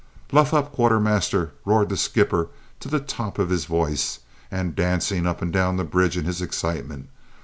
"Luff up, quartermaster!" roared the skipper to the top of his voice and dancing up and down the bridge in his excitement.